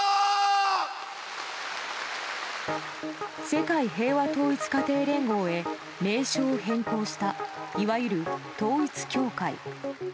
世界平和統一家庭連合へ名称を変更したいわゆる統一教会。